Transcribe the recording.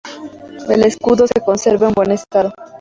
El escudo se conserva en buen estado.